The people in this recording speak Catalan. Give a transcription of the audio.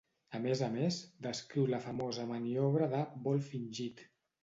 A més a més, descriu la famosa maniobra de "vol fingit".